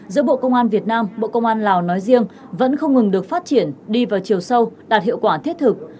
giữa bộ công an việt nam bộ công an lào nói riêng vẫn không ngừng được phát triển đi vào chiều sâu đạt hiệu quả thiết thực